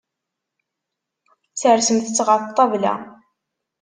Sersemt-tt ɣef ṭṭabla.